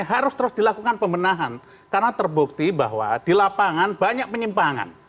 harus terus dilakukan pembenahan karena terbukti bahwa di lapangan banyak penyimpangan